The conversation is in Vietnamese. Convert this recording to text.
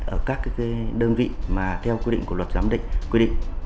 ở các đơn vị mà theo quy định của luật giám định quy định